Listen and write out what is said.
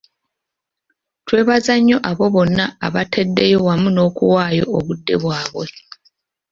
Twebaza nnyo abo bonna abateddeyo wamu n’okuwaayo obudde bwabwe.